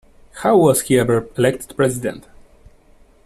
How was he ever elected President?